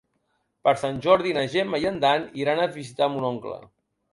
Per Sant Jordi na Gemma i en Dan iran a visitar mon oncle.